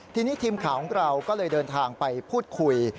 ทีนี้ทีมข่าวของเราก็เลยเดินทางไปพูดคุย